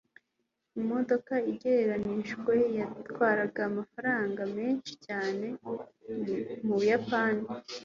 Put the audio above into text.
Imodoka igereranijwe yatwara amafaranga menshi cyane mubuyapani.